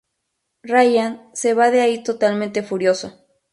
Ryan se va de ahí totalmente furioso.